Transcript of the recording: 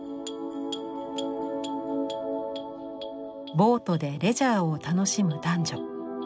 ボートでレジャーを楽しむ男女。